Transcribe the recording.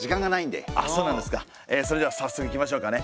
それでは早速いきましょうかね。